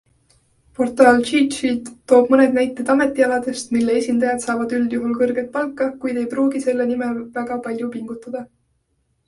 Portaal CheatSheet toob mõned näited ametialadest, mille esindajad saavad üldjuhul kõrget palka, kuid ei pruugi selle nimel väga palju pingutada.